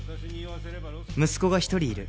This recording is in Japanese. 息子が１人いる